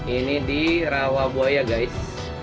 ini di rawabuaya guys